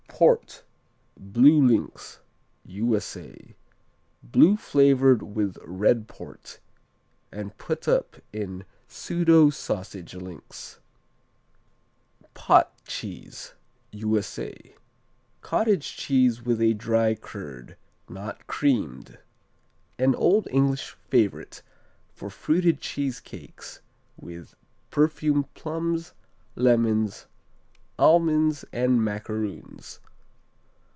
Port, Blue Links U.S.A. "Blue" flavored with red port and put up in pseudo sausage links. Pot cheese U.S.A. Cottage cheese with a dry curd, not creamed. An old English favorite for fruited cheese cakes with perfumed plums, lemons, almonds and macaroons.